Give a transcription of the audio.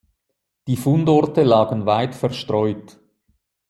Die Fundorte lagen weit verstreut.